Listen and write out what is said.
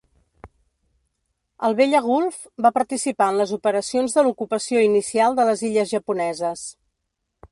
El "Vella Gulf" va participar en les operacions de l'ocupació inicial de les illes japoneses.